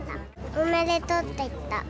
おめでとうって言った。